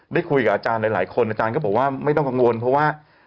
ได้คุยกับอาจารย์หลายคนอาจารย์ก็บอกว่าไม่ต้องกังวลเพราะว่า